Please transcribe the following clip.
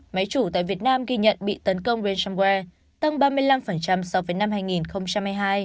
máy chủ tại việt nam ghi nhận bị tấn công besomware tăng ba mươi năm so với năm hai nghìn hai mươi hai